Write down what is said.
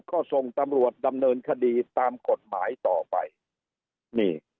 ก็ส่งตำรวจดำเนินคดีตามกฎหมายต่อไปนี่